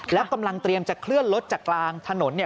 แล้วกำลังเตรียมจะเคลื่อนรถจากกลางถนนเนี่ย